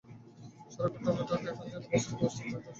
সারা ঘটনাটা এখনও যেন অবাস্তব, অসম্ভব ঠেকিতেছিল।